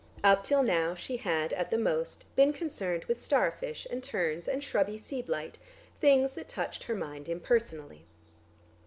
Up till now she had, at the most, been concerned with starfish and terns and shrubby sea blite, things that touched her mind impersonally.